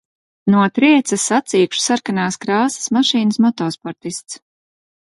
Notrieca sacīkšu sarkanās krāsas mašīnas motosportists.